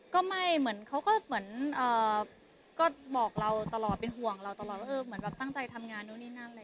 ก็ไม่เหมือนเขาก็เหมือนก็บอกเราตลอดเป็นห่วงเราตลอดว่าเออเหมือนแบบตั้งใจทำงานนู่นนี่นั่นอะไร